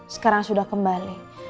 sekarang sudah kembali